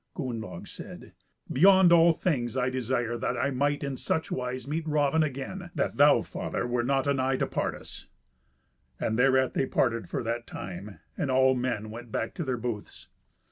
Gunnlaug said, "Beyond all things I desire that I might in such wise meet Raven again, that thou, father, wert not anigh to part us." And thereat they parted for that time, and all men went back to their booths.